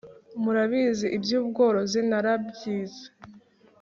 murabizi iby'ubworozi narabyize